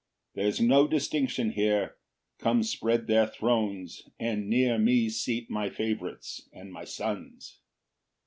There's no distinction here: come spread their thrones, And near me seat my favorites and my sons.